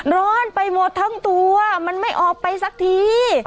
ร้อนไปหมดทั้งตัวมันไม่ออกไปสักที